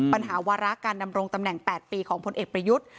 ปัญหาวาระการดำรงตำแหน่ง๘ปีของพลเอกประยุทธ์